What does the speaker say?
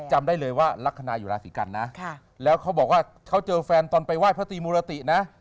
จำได้เลยว่าลักษณะอยู่ราศีกันนะแล้วเขาบอกว่าเขาเจอแฟนตอนไปไหว้พระตรีมุรตินะ